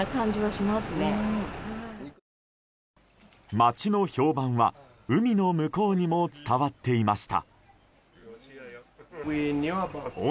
町の評判は、海の向こうにも伝わっていました。